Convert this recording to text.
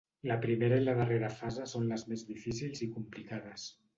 La primera i la darrera fase són les més difícils i complicades.